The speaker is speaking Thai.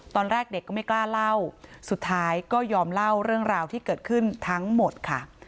ตอนแรกเด็กก็ไม่กล้าเล่าสุดท้ายก็ยอมเล่าเรื่องราวที่เกิดขึ้นทั้งหมดค่ะ